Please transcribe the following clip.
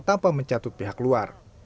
tanpa mencatut pihak luar